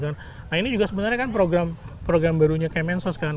nah ini juga sebenarnya kan program barunya kemensos kan